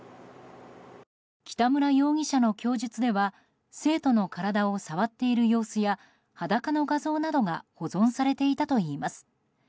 北村容疑者の供述では生徒の体を触っている様子や裸の画像などが保存されていたといいます。